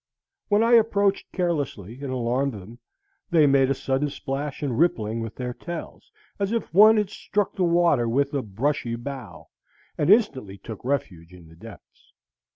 When I approached carelessly and alarmed them, they made a sudden splash and rippling with their tails, as if one had struck the water with a brushy bough, and instantly took refuge in the depths.